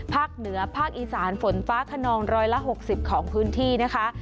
เหนือภาคอีสานฝนฟ้าขนองร้อยละ๖๐ของพื้นที่นะคะ